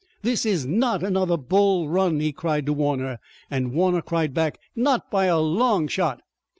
"This is not another Bull Run!" he cried to Warner, and Warner cried back: "Not by a long shot!"